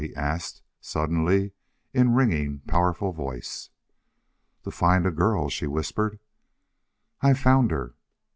he asked, suddenly, in ringing, powerful voice. "To find a girl," she whispered. "I've found her!"